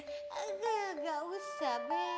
tidak usah be